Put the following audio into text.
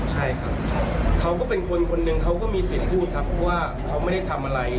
ใช่ครับเขาก็เป็นคนคนหนึ่งเขาก็มีสิทธิ์พูดครับเพราะว่าเขาไม่ได้ทำอะไร